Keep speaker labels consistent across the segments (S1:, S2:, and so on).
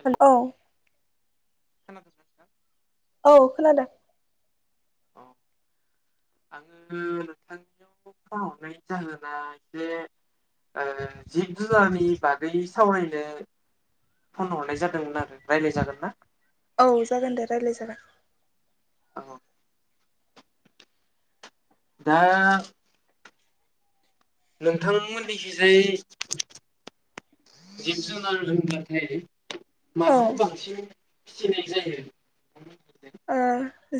S1: Hello
S2: औ
S1: खोनादों ना नोंथां
S2: औ खोनादों
S1: औ आङो नोंथांनियाव फन हरनाय जाहोना एसे ओ जिब जुनारनि बागै सावरायनो फन हरनाय जादोंमोन आरो रायलाय जागोन ना
S2: औ जागोन दे रायलाय जागोन
S1: औ दा नोंथांमोननिखिजाय जिब जुनार होनबाथाय
S2: औ
S1: माखौ बांसिन फिसिनाय जायो
S2: ओ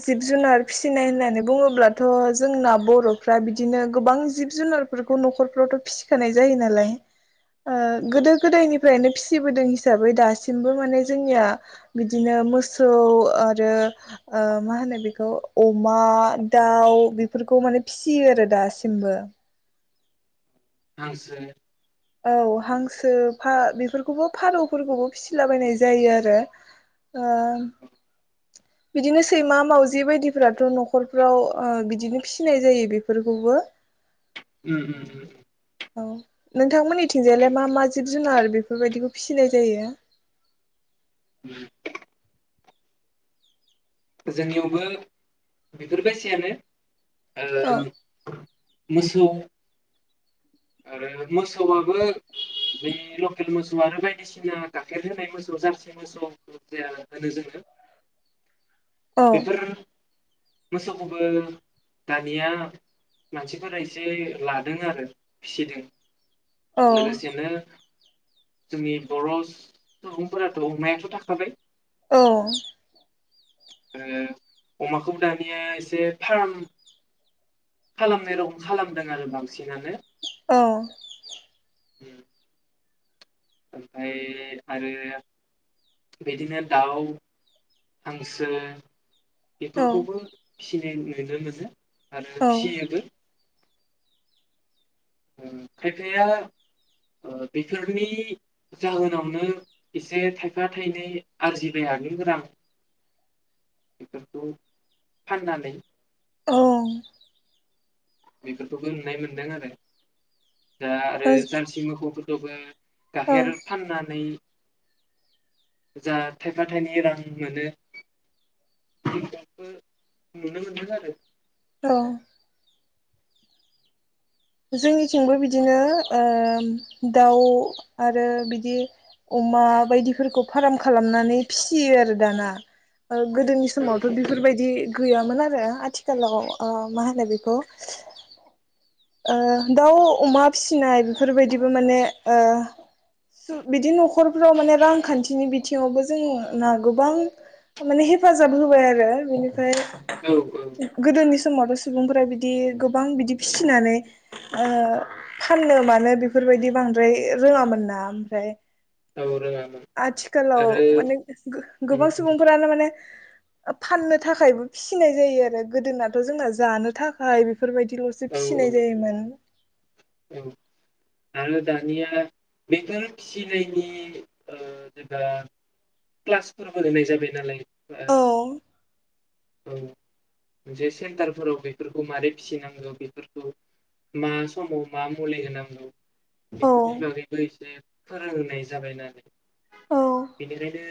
S2: जिब जुनार फिसिनाय होननानै बुङोब्लाथ जोंना बरफ्रा बिदिनो गोबां जिब जुनारफोरखौ नखरफ्रावथ फिसिखानाय जायो नालाय ओ
S1: औ
S2: गोदो गोदायनिफ्रायनो फिसिबोदों हिसाबै दासिमबो माने जोंनिया बिदिनो मोसौ आरो ओ मा होनो बेखौ अमा दाउ बेफोरखौ माने फिसियो आरो दासिमबो
S1: हांसो
S2: औ हांसो फा बेफोरखौबो फारौफोरखौबो फिसिलाबायनाय जायो आरो ओ बिदिनो सैमा मावजि बे बायदिफोराथ' न'खर फ्राव ओ बिदिनो फिसिनाय जायो बेफोरखौबो
S1: उम उम उम
S2: औ नों थांमोननिथिंजायलाय मा मा जिब जुनार बेफोर बायदिखौ फिसिनाय जायो
S1: [inaudible] जोंनियावबो बेफोर बायसायानो
S2: औ
S1: ओ मोसौ आरो मोसौआबो बे' लखेल मोसौ बायदिसिना गाखेर होनाय मोसौ जारसि मोसौ होनो जोङो
S2: औ
S1: बेफोर मोसौखौबो दानिया मानसिफोरा एसे लादोंनो आरो फिसिदों
S2: औ
S1: लोगोसेनो जोंनि बर' सुबुंफोराथ' अमायाथ' थाखाबाय
S2: औ
S1: ओ अमाखौबो दानिया एसे फार्म खालामनाय रखम खालामदों आरो बांसिन बांसिनानो
S2: औ
S1: उम ओमफ्राय आरो बेदिनो दाउ हांसो बेफोरखौबो फिनाय [unintelligible] आरो
S2: औ
S1: फिसियोबो ओ खायफाया ओ बेफोरनि जाहोनावनो एसे थायफा थायनै आरजिबायानो गोबां बेफोरखौ फाननानै
S2: औ
S1: बेफोरखौ'बो नुनाय मोनदों आरो दा आरो
S2: औ
S1: जारसि मोखौफोर [unintelligible]
S2: औ
S1: गाइखेर फाननानै जा थायफा थाइनै रां मोनो थिगाबो नुनो मोनदों आरो
S2: औ जोंनिथिंबो बिदिनो ओ दाउ आरो बिदि अमा बायदिफोरखौ फार्म खालामनानै फिसियो आरो दाना ओ गोदोनि
S1: औ
S2: समावथ'
S1: औ
S2: बेफोर बायदि गैयामोन आरो आथिखालाव ओ मा होनो बेखौ ओ दाउ अमा फिसिनाय बेफोरबायदिबो माने ओ बिदि न'खरफ्राव माने रांखान्थिनि बिथिं थिङावबो जों ना गोबां माने हेफाजाब होबाय आरो बेनिफ्राय
S1: औ औ
S2: गोदोनि समावथ' सुबुंफोरा बिदि गोबां बिदि फि फिनानै ओ फाननो मानो बेफोरबायदि बांद्राय रोङामोन ना ओमफ्राय
S1: औ रोङामोन
S2: आथिखालाव
S1: आरो
S2: माने
S1: ओम
S2: गो-गोबां
S1: ओम
S2: सुबुंफोरानो माने फाननो थाखायबो फिसिनाय जायो आरो गोदोनाथ' जोंना जानो थाखाय बेफोरबायदिल'सो
S1: औ औ
S2: फिसिनाय जायोमोन
S1: औ आरो दानिया बेफोर फिसिनायनि ओ जेबा क्लासफोरबो होनाय जाबाय नालाय
S2: औ
S1: औ मोनसे सेन्टारफोराव बेफोरखौ मारै फिसिनांगौ बेफोरखौ मा समाव मा मुलि होनांगौ
S2: औ
S1: बेफोरनि बागैबो एसे फोरोंनाय जाबाय नालाय
S2: औ
S1: बेनिखायनो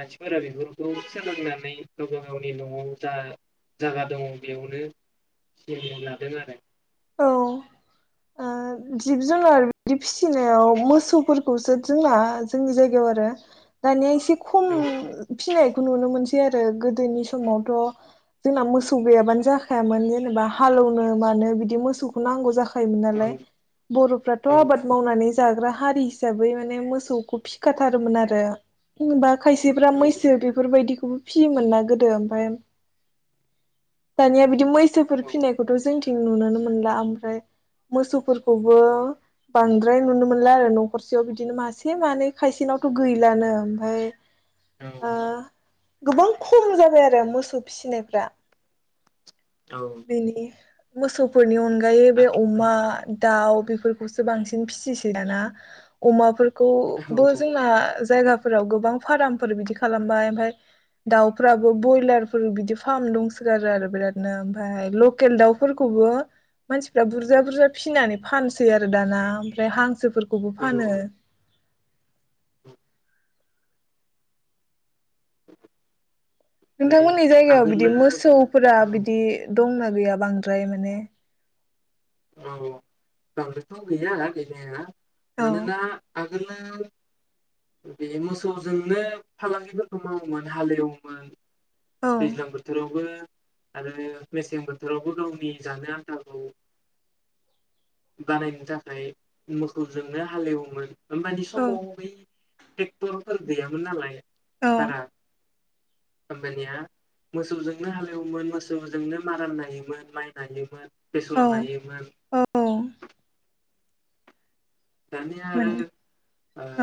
S1: मानसिफोरा बेफोरखौ सोलोंनानै गावबा गावनि न'आव जा जागा दङ बेयावनो सोलिनो लादों आरो
S2: औ ओ जिब जुनार बिदि फिसिनायाव मोसौफोरखौसो जोंना जोंनि जायगायाव आरो दानिया एसे खम
S1: औ
S2: फिसिनायखौ नुनो मोनसै बिदि आरो गोदोनि समावथ' जोंना मोसौ गैयाबानो जाखायामोन जेनेबा हालेवनो मानो बि बे मोसौखौ नांगौ जाखायो मोन नालाय बर'फ्राथ'
S1: औ
S2: आबाद मावनानै जाग्रा हारि हिसाबै माने मोसौखौ फिखाथारोमोन आरो बा खायसेफ्रा
S1: औ
S2: मैसो बेफोरबायदिखौ फियोमोन ना गोदो ओमफ्राय दानिया बिदि मै सोफोर फिनायखौथ' जोंनिथिं जों नुनोनो मोनला ओमफ्राय मोसौफोरखौबो बांद्राय नुनो मोनला आरो न'खरसेयाव बिदिनो मासे मानै खायसेनावथ' गैलानो ओमफ्राय
S1: औ
S2: ओ गोबां खम जाबाय आरो मोसौ फिसिनायफ्रा जोंनि मोसौफोरनि अनगा यै बे अमा दाउ बेफोरखौसो बांसिन फिसिसै दाना अमाफोरखौ खौबो
S1: ओमफ्राय
S2: जोंना जायगाफोराव गोबां फार्मफोर बिदि खालामबाय ओमफाय दाउफ्राबो ब्रयलारफोर बिदि फार्म दंसोगारो आरो बिरादनो ओमफ्रायहाय लकेल दाउफोरखौबो मानसिफ्रा बुरजा बुरजा फिनानै फानसै आरो दाना ओमफ्राय हांसोफोरखौ खौबो फानो
S1: [unintelligible]
S2: नोंथांमोननि जायगायाव बिदि
S1: आगोलो
S2: मोसौफोरा
S1: औ
S2: बिदि दंना गैया बांद्राय माने
S1: औ बांद्रायथ' गैया गैनाया
S2: औ
S1: मानोना आ आगोलाव बे मोसौजोंनो फालांगिफोरखौ मावोमोन हालेवोमोन
S2: औ
S1: दैज्लां बोथोरावबो आरो मेसें बोथोरावबो गावनि जानो आन्थाखौ बानायनो थाखाय मोसौजोंनो हालेवोमोन होमबानि
S2: औ
S1: समाव बै ट्रेक्टफोर गैयामोन नालाय
S2: औ
S1: बारा होमबानिया मोसौजोंनो हालेवोमोन मोसौजोंनो माराम नायोमोन माइ नायोमोन बेसर नायो
S2: औ औ
S1: [unintelligible] दानि आरो
S2: मोन
S1: ओ
S2: औ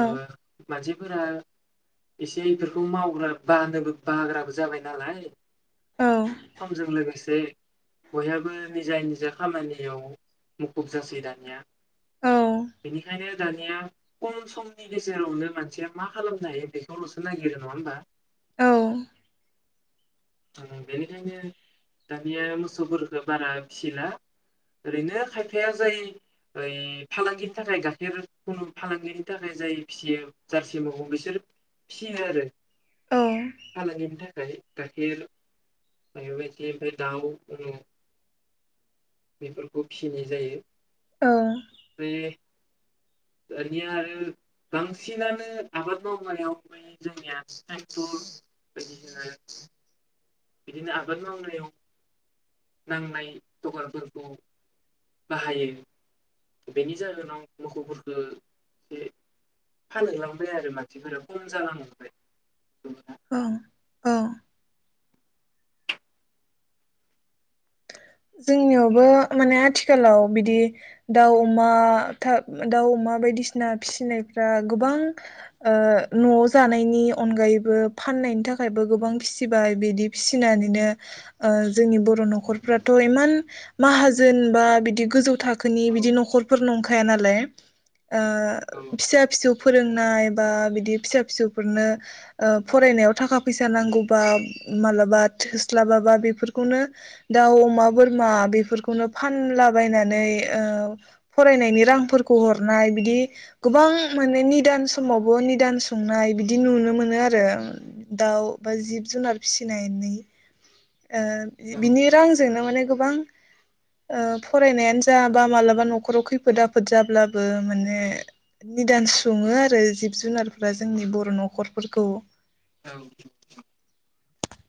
S1: फोरा एसे इफोरखौ मावग्रा बानोबो बाग्राबो जाबाय नालाय
S2: औ
S1: समजों लोगोसे बयहाबो निजा निजा खामानियाव मुखुब जासै दानिया
S2: औ
S1: बेनिखायनो दानिया खम समनि गेजेरावनो मानसिया मा खालामनो हायो बेखौल'सो नागिरो नङा होमबा
S2: औ
S1: बेनिखायनो दानिया मोसौफोरखौ बारा फिसिला ओरैनो खायफाया जाय ओइ फालांगि नि थाखाय गाइखेर खुनु फालांगिनि थाखाय जाय फिसियो जारसि मावो बिसोर फिसियो आरो फालांगिनि थाखाय गाइखेर बेबायदि ओमफ्राय दाउ उ बेफोरखौ फिसिनाय जायो
S2: औ
S1: ओमफ्राय दानिया आरो बांसिनानो आबाद मावनायाव माने जोंनिया ट्रेक्टर बायदिसिना बिदिनो आबाद मावनायाव नांनाय जगरफोरखौ बाहायो बेनि जाहोनाव मोसौफोरखौ एसे फाललांबाय आरो मानसिफोरा खम जालांबाय
S2: औ औ जोंनियावबो माने आथिखालाव बिदि दाउ अमा दाउ अमा बायदिसिना फिसिनायफ्रा गोबां न'आव जानायनि अनगायैबो फाननायनि थाखायबो गोबां फिसिबाय बिदि फिसिनानैनो जोंनि बर' न'खरफ्रा इमान माहाजोन बा बिदि गोजौ थाखो नि
S1: औ
S2: बिदि न'खरफोर नंखाय हायानालाय ओ
S1: औ
S2: फिसा फिसौ फोरोंनाय बा बिदि फिसा फिसौफोरनो ओ फरायनायाव थाखा फैसा नांगौबा मालाबा थोस्लाबाबा बेफोरखौनो दाउ अमा बोरमा बेफोरखौनो फानलाबायनानै ओ फरायनायनि रांफोरखौ हरनाय बिदि गोबां माने निदान समावबो निदान संनाय बिदि नुनो मोनो आरो दाउ बा जिब जुनार फिसिनानै ओ
S1: औ
S2: बिनि रांजोंनो माने गोबां ओ फरायनायानो जाबा मालाबा न'खराव खैफोद आफोद जाब्लाबो माने निदान सङो आरो जिब जुनारफ्रा जोंनि बर' न'खरफोरखौ
S1: औ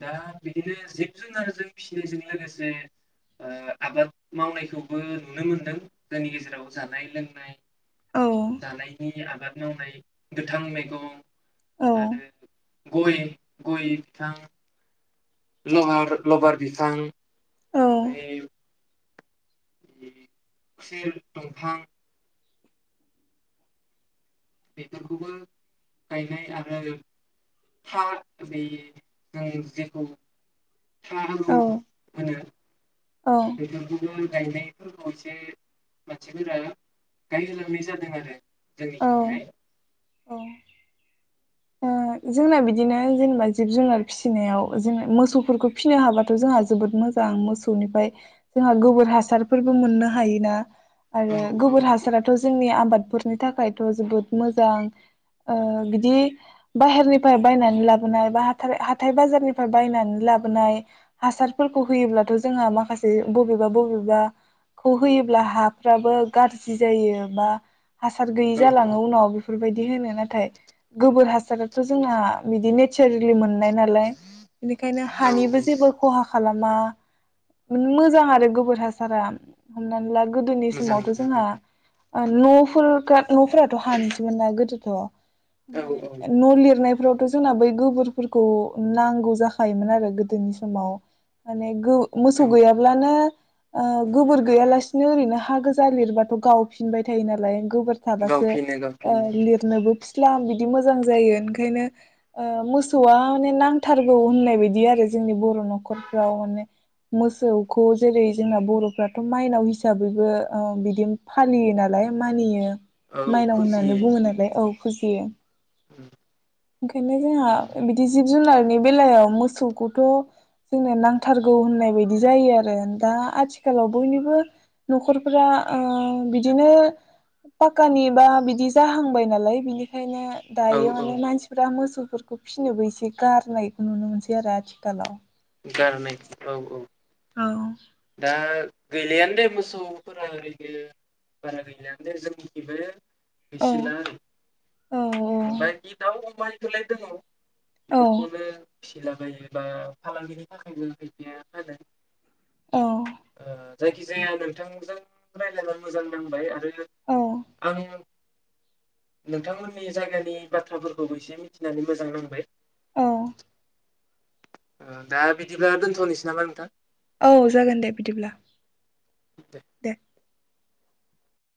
S1: दा बिदिनो जिब जुनारजों फिसिनायजों लोगोसे ओ आबाद मावनायखौबो नुनो मोनदों जोंनि गेजेराव जानाय लोंनाय
S2: औ
S1: जानायनि आबाद मावनाय गोथां मैगं
S2: औ
S1: आरो बे गय फां लाबार लबार बिफां
S2: औ
S1: ओमफाय खुसेर दंफां बेफोरखौबो गायनाय आरो था बे जों जेखौ था आलु
S2: औ
S1: होनो।
S2: औ
S1: बेफोरखौबो गायनायफोरखौ एसे मानसिफोरा गायहोलांनाय जादों आरो। जोंनिथिंहाय।
S2: औ ओ जोंना बिदिनो जेनेबा जिब जुनार फिसिनायाव जोङो मोसौफोरखौ फिसिनो हाबाथ' जोंहा जोबोद मोजां मोसौनिफ्राय जोंहा गोबोर हासारफोरबो मोननो हायोना आरो
S1: औ
S2: गोबोर हासाराथ' जोंनि आबाद फोरनि थाखायथ' जोबोद मोजां ओ बिदि बाहेरनिफ्राय बायनानै लाबोनाय बा हाथार हाथाय बाजारनिफ्राय बायनानै लाबोनाय हासारफोरखौ होयोब्लाथ' जोंहा माखासे बबेबा बबेबा खौ होयोब्ला हाफ्राबो गाज्रि जायो बा हासार गैयि
S1: औ
S2: जालाङो उनाव बेफ बायदि होनो नाथाय गोबोर हासा दानाथ' जोंना बिदिनो सोरलि मोननाय नालाय बेनिखायनो
S1: औ
S2: हानिबो जेबो खहा खालामा मोजां आरो गोबोर हासारा हमनानै ला गोदोनि
S1: मोजां
S2: समावथ'
S1: मोजां
S2: जोंहा न'फोर खा न'फोराथ' हानिसोमोनना गोदोथ'
S1: औ
S2: ओमफाय
S1: औ।
S2: न' लिरनायफ्रावथ' जोंना बै गोबोरफोरखौ नांगौ जाखायोमोन आरो गोदोनि समाव माने गौ मोसौ
S1: औ
S2: गैयाब्लानो ओ गोबोर गैयालासिनो ओरैनो हा गोजा लिरबाथ' गावफिनबाय थायो नालाय। गोबोर थाबासो
S1: गावफिनो
S2: ओ
S1: गावफिनो
S2: लिरनोबो फि फिला बिदि मोजां जायो ओंखायनो ओ मोसौआ माने नांथारगौ होननाय बादि आरो जोंनि बर' न'खरफ्राव माने मोसौखौ जेरै जोंना बर'फ्राथ' माइनाव हिसाबैबो ओ बिदि फालियो नालाय मानियो।
S1: औ
S2: माइनाव होननानै
S1: फुजियो
S2: बुङो नालाय औ। फुजियो। ओंखायनो जोंहा बिदि जि जुनारनि बेलायाव मोसौखौथ' जोंनो नांथारगौ होननाय बायदि जायो आरो दा आथिखालाव बयनिबो न'खरफोरा ओ बिदिनो पाक्कानि बा बिदि जाहांबाय नालाय बिनिखायनो
S1: औ
S2: दायो
S1: औ
S2: माने मानसिफ्रा मोसौ फोरखौ फिसिनोबो एसे गारनायखौ नुनो मोनसै आरो आथिखालाव।
S1: गारनाय औ औ।
S2: औ।
S1: दा गैलायानो दे मोसौफोरा ओरैनो बारा गैलायानो दे जों थिंबो
S2: औ
S1: गैस्राला आरो
S2: औ
S1: ओमफ्राय बे दाउ अमाइखौलाय दङ'।
S2: औ
S1: बेफोरखौनो फिसिला बायो बा फालांगिनि थाखायबो गैलिया नालाय‌।
S2: औ
S1: ओ। जायखिजाया नोंथांजों रायलायना मोजां नांबाय आरो
S2: औ
S1: आं नोंथांमोननि जायगानि बाथ्राफोरखौबो एसे मिथिनानै मोजां नांबाय।
S2: औ।
S1: दा बिदिब्ला दोनथ'नोसै नामा नोंथां?
S2: औ जागोन दे बिदिब्ला। दे।